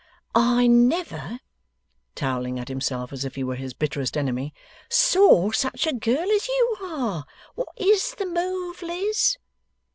'I never,' towelling at himself as if he were his bitterest enemy, 'saw such a girl as you are. What IS the move, Liz?